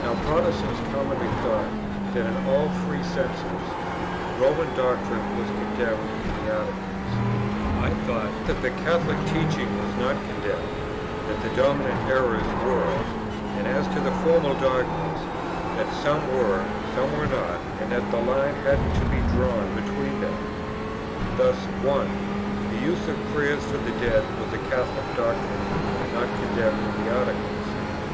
Now Protestants commonly thought that in all three senses, "Roman doctrine" was condemned in the Articles: I thought that the Catholic teaching was not condemned; that the dominant errors were; and as to the formal dogmas, that some were, some were not, and that the line had to be drawn between them. Thus, 1. The use of Prayers for the dead was a Catholic doctrine, not condemned in the Articles; 2.